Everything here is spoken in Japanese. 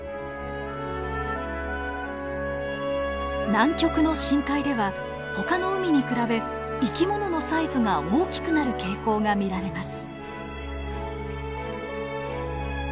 南極の深海ではほかの海に比べ生き物のサイズが大きくなる傾向が見られます。